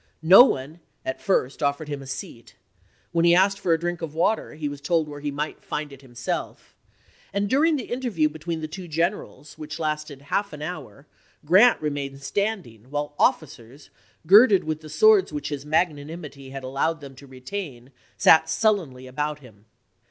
No one, at first, offered him a seat; when he asked for a drink of water he was told where he might find it himself; and during the interview Badeau between the two generals, which lasted half an "msto?7 hour, Grant remained standing while officers, girded Grant?5 with the swords which his magnanimity had p?387.' allowed them to retain, sat sullenly about him.